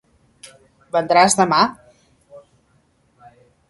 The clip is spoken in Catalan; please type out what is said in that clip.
Vindràs demà?